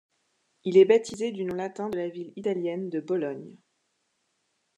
Il est baptisé du nom latin de la ville italienne de Bologne.